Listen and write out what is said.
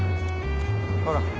ほら。